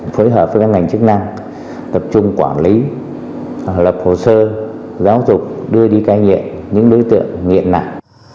phối hợp với các ngành chức năng tập trung quản lý lập hồ sơ giáo dục đưa đi cai nghiện những đối tượng nghiện nặng